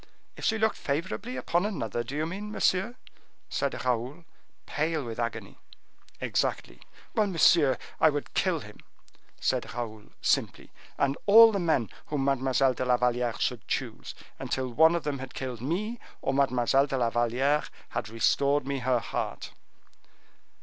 "If she looked favorably upon another, do you mean, monsieur?" said Raoul, pale with agony. "Exactly." "Well, monsieur, I would kill him," said Raoul, simply, "and all the men whom Mademoiselle de la Valliere should choose, until one of them had killed me, or Mademoiselle de la Valliere had restored me her heart."